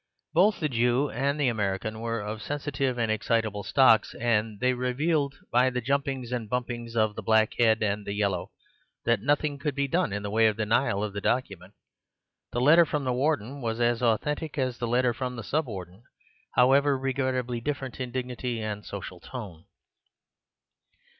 Both the Jew and the American were of sensitive and excitable stocks, and they revealed by the jumpings and bumpings of the black head and the yellow that nothing could be done in the way of denial of the document. The letter from the Warden was as authentic as the letter from the Sub Warden, however regrettably different in dignity and social tone.